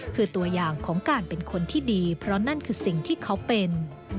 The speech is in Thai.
คือตัวอย่างของการเป็นคนที่ดีเพราะนั่นคือสิ่งที่เขาเป็น